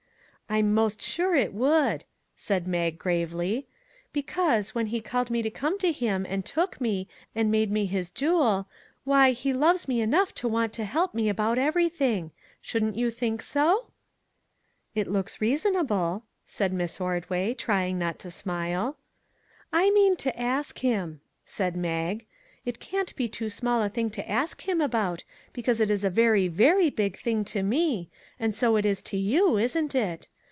" I'm 'most sure it would," said Mag gravely; " because, when he called me to come to him, and took me, and made me his jewel, why he loves me enough to want to help me about everything. Shouldn't you think so ?"" It looks reasonable," said Miss Ordway, trying not to smile. " I mean to ask him," said Mag. " It can't be too small a thing to talk to him about, be cause it is a very, very big thing to me, and so it is to you, isn't it?